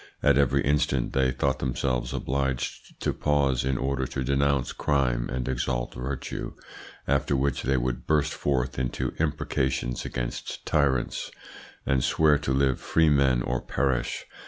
At every instant they thought themselves obliged to pause in order to denounce crime and exalt virtue, after which they would burst forth into imprecations against tyrants, and swear to live free men or perish.